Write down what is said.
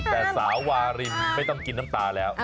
แต่สาววารินไม่ต้องกินน้ำตาแล้ว